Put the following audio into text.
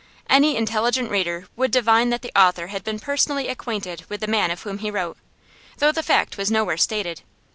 Any intelligent reader would divine that the author had been personally acquainted with the man of whom he wrote, though the fact was nowhere stated.